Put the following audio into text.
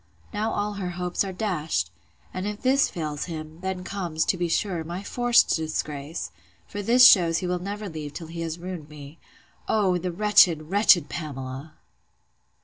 Now all her hopes are dashed! And if this fails him, then comes, to be sure, my forced disgrace! for this shews he will never leave till he has ruined me—O, the wretched, wretched Pamela!